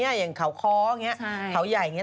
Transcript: อย่างขาวข้อเอาอย่างงี้ขาวใหญ่อย่างงี้